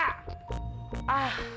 ah ma aduh